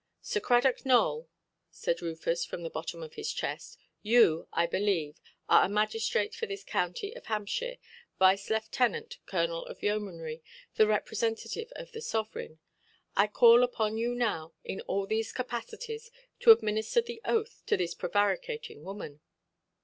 "Sir Cradock Nowell", said Rufus, from the bottom of his chest, "you, I believe, are a magistrate for this county of Hants, Vice–Lieutenant, Colonel of Yeomanry, the representative of the sovereign. I call upon you now, in all these capacities, to administer the oath to this prevaricating woman".